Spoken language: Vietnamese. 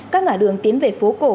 các ngã đường tiến về phố cổ